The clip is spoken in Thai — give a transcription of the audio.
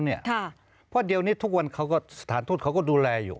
เพราะเดี๋ยวนี้ทุกวันเขาก็สถานทูตเขาก็ดูแลอยู่